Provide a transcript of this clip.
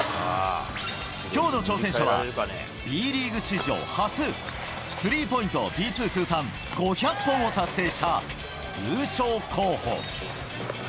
きょうの挑戦者は、Ｂリーグ史上初、スリーポイント、Ｂ２通算５００本を達成した優勝候補。